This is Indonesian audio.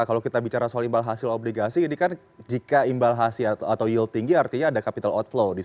kalau kita bicara soal imbal hasil obligasi ini kan jika imbal hasil atau yield tinggi artinya ada capital outflow